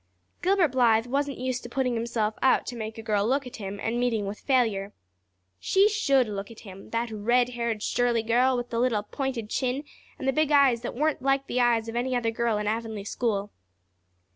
Gilbert Blythe wasn't used to putting himself out to make a girl look at him and meeting with failure. She should look at him, that red haired Shirley girl with the little pointed chin and the big eyes that weren't like the eyes of any other girl in Avonlea school.